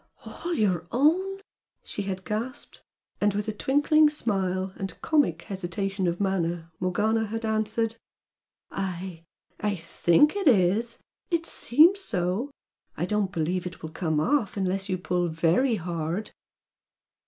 "All your own?" she had gasped. And with a twinkling smile, and comic hesitation of manner Morgana had answered. "I I THINK it is! It seems so! I don't believe it will come off unless you pull VERY hard!"